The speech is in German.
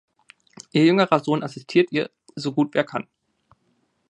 Ihr jüngerer Sohn assistiert ihr, so gut er kann.